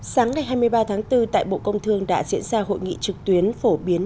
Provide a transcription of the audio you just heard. sáng ngày hai mươi ba tháng bốn tại bộ công thương đã diễn ra hội nghị trực tuyến phổ biến